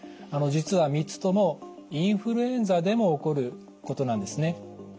あの実は三つともインフルエンザでも起こることなんですね。